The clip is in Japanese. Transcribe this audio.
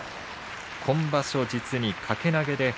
今場所、実に掛け投げで。